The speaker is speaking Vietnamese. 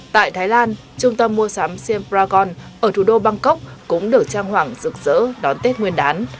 tại thái lan trung tâm mua sắm siam dragon ở thủ đô bangkok cũng được trang hoảng rực rỡ đón tết nguyên đán